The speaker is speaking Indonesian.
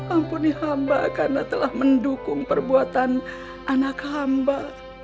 ampuni hamba karena telah mendukung perbuatan anak hamba